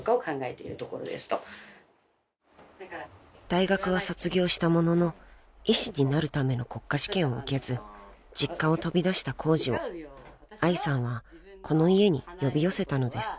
［大学は卒業したものの医師になるための国家試験を受けず実家を飛び出したコウジを愛さんはこの家に呼び寄せたのです］